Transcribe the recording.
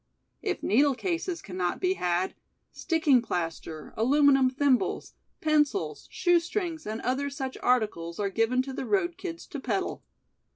If needle cases can not be had, sticking plaster, aluminum thimbles, pencils, shoestrings and other such articles are given to the road kids to peddle.